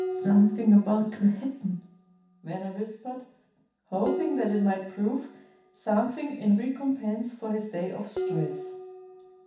"Something about to happen!" Venner whispered, hoping that it might prove something in recompense for his day of stress.